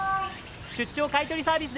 出張買い取りサービス